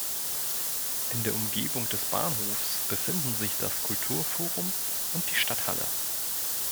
In der Umgebung des Bahnhofs befinden sich das Kulturforum und die Stadthalle.